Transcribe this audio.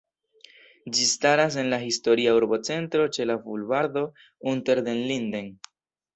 Ĝi staras en la historia urbocentro ĉe la bulvardo Unter den Linden.